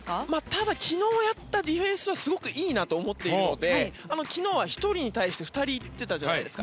ただ昨日やったディフェンスはすごくいいなと思っているので昨日は１人に対して２人行ってたじゃないですか。